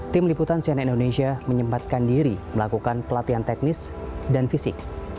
tim liputan cnn indonesia menyempatkan diri melakukan pelatihan teknis dan fisik